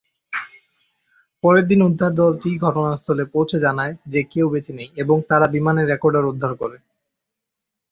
পরের দিন উদ্ধার দলটি ঘটনাস্থলে পৌঁছে জানায় যে কেউ বেঁচে নেই এবং তারা বিমানের রেকর্ডার উদ্ধার করে।